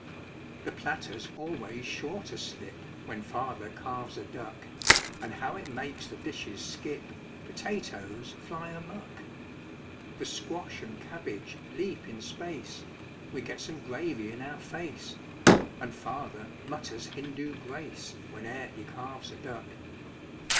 The platter's always sure to slip When Father carves a duck. And how it makes the dishes skip! Potatoes fly amuck! The squash and cabbage leap in space We get some gravy in our face And Father mutters Hindu grace Whene'er he carves a duck.